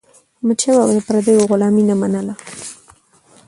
احمدشاه بابا د پردیو غلامي نه منله.